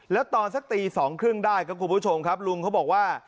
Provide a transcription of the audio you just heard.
แล้วตอนสักตี๒๓๐ได้ครับคุณผู้ชมครับลุงเขาบอกว่า